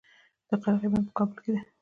د قرغې بند په کابل کې دی